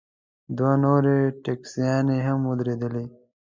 دوه نورې ټیکسیانې هم ودرېدلې.